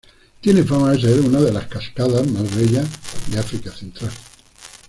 Tiene fama de ser una de las cascada más bellas de África Central.